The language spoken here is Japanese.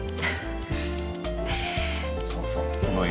そうそう。